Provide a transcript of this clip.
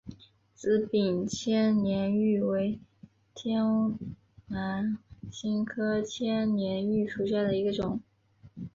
紫柄千年芋为天南星科千年芋属下的一个种。